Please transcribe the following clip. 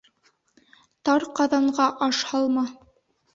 Тар ҡаҙанға аш һалма